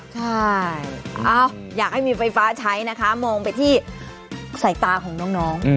ใช่อยากให้มีไฟฟ้าใช้นะคะมองไปที่สายตาของน้อง